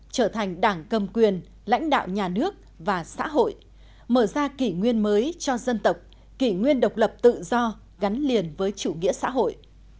trở thành đảng cầm quyền lãnh đạo nhà nước và xã hội mở ra kỷ nguyên mới cho dân tộc kỷ nguyên độc lập tự do gắn liền với chủ nghĩa xã hội